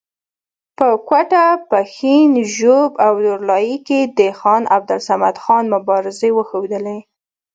په کوټه، پښین، ژوب او لور لایي کې د خان عبدالصمد خان مبارزې وښودلې.